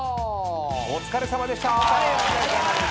お疲れさまでした。